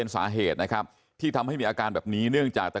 แสดงว่าที่ตรงนี้มันแรงไหมแม่